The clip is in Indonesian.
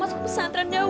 mas aku pesantren yaudah